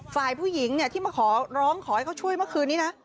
ฝ่ายผู้หญิงที่มาขอร้องขอให้เขาช่วยเมื่อคืนนี้นะ